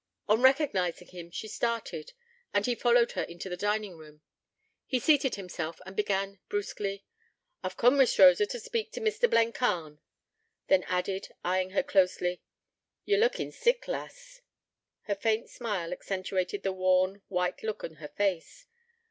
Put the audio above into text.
On recognizing him she started, and he followed her into the dining room. He seated himself, and began, brusquely: 'I've coom, Miss Rosa, t' speak t' Mr. Blencarn.' Then added, eyeing her closely: 'Ye're lookin' sick, lass.' Her faint smile accentuated the worn, white look on her face.